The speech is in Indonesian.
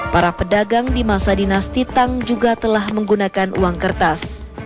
para pedagang di masa dinas titang juga telah menggunakan uang kertas